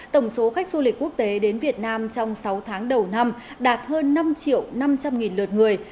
tổng số khách du lịch quốc tế đến việt nam trong sáu tháng đầu năm đạt hơn năm triệu năm trăm linh lượt người